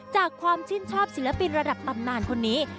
ความชื่นชอบศิลปินระดับตำนานคนนี้